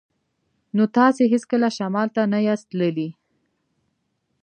نو تاسې هیڅکله شمال ته نه یاست تللي